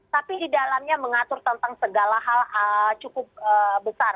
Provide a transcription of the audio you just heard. tapi di dalamnya mengatur tentang segala hal cukup besar